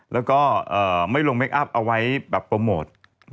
แล้วก็ไม่ลงเคคอัพเอาไว้แบบโปรโมท